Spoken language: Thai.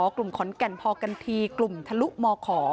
กลุ่มขอนแก่นพอกันทีกลุ่มทะลุมขอ